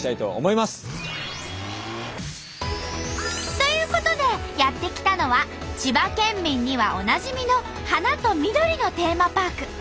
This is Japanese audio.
ということでやって来たのは千葉県民にはおなじみの花と緑のテーマパーク。